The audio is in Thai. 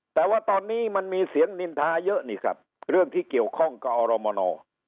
แต่ว่าตอนนี้มันมีเสียงนินทาเยอะนี่ครับเรื่องที่เกี่ยวข้องกับอรมน